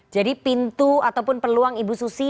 jadi pintu ataupun peluang ibu susi